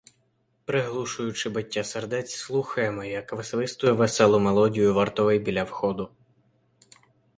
Приглушуючи биття сердець, слухаємо, як висвистує веселу мелодію вартовий біля входу.